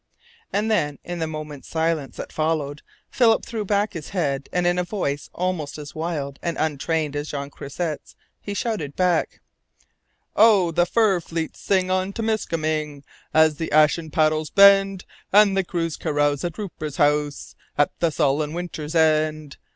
And then, in the moment's silence that followed, Philip threw back his head, and in a voice almost as wild and untrained as Jean Croisset's, he shouted back: "Oh! the fur fleets sing on Temiskaming, As the ashen paddles bend, And the crews carouse at Rupert's House, At the sullen winter's end.